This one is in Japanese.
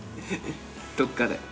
どっかで。